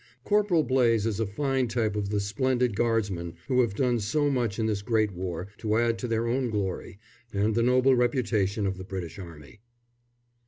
Corporal Blaze is a fine type of the splendid Guardsmen who have done so much in this great war to add to their own glory and the noble reputation of the British Army.